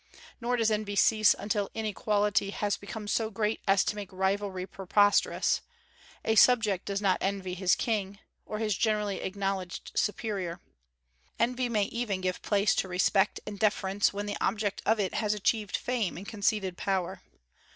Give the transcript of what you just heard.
Nor does envy cease until inequality has become so great as to make rivalry preposterous: a subject does not envy his king, or his generally acknowledged superior. Envy may even give place to respect and deference when the object of it has achieved fame and conceded power.